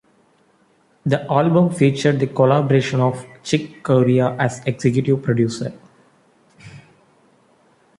The album featured the collaboration of Chick Corea as executive producer.